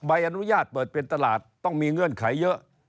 ใบอนุญาตเปิดเป็นตลาดต้องมีเงื่อนไขเยอะ